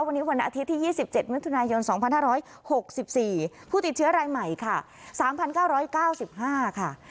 วันนี้วันอาทิตย์ที่๒๗มิถุนายน๒๕๖๔ผู้ติดเชื้อรายใหม่ค่ะ๓๙๙๕ค่ะ